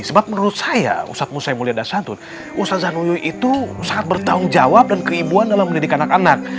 sebab menurut saya ustaz musaimulia dasantun ustaz januyuy itu sangat bertanggung jawab dan keibuan dalam mendidik anak anak